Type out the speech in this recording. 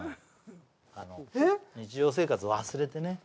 あの日常生活忘れてねはあ